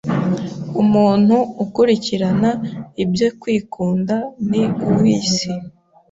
umuntu ukurikirana ibyo kwikunda, ni uw'isi